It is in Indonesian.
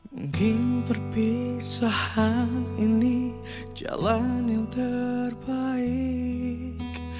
mungkin perpisahan ini jalan yang terbaik